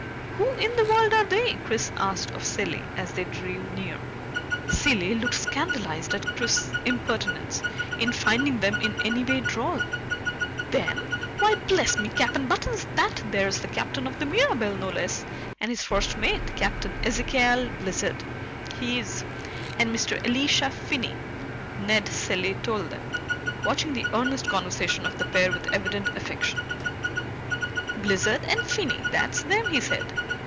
"Who in the world are they?" Chris asked of Cilley as they drew near. Cilley looked scandalized at Chris's impertinence in finding them in any way droll. "Them? Why, bless me cap and buttons! That there's the captain of the Mirabelle no less, and his first mate. Captain Ezekial Blizzard, he is, and Mr. Elisha Finney," Ned Cilley told them, watching the earnest conversation of the pair with evident affection. "Blizzard and Finney, that's them," he said.